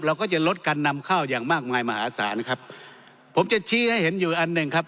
เราก็จะลดการนำเข้าอย่างมากมายมหาศาลครับผมจะชี้ให้เห็นอยู่อันหนึ่งครับ